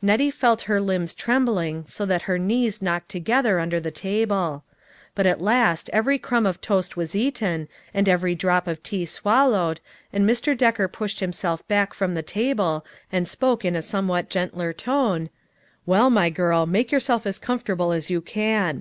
Nettie felt her limbs trembling so that her knees knocked together under the table. But at last every crumb of toast was eaten, and every drop of tea swallowed, and Mr. Decker pushed himself back from the table, and spoke in a somewhat gentler tone :" Well, my girl, make yourself as comfortable as you can.